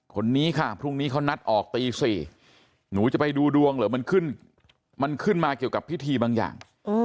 คนนี้ค่ะพรุ่งนี้เขานัดออกตี๔หนูจะไปดูดวงเหรอมันขึ้นมาเกี่ยวกับพิธีบางอย่าง